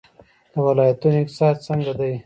د ولایتونو اقتصاد څنګه دی؟